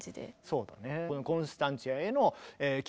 そうだね。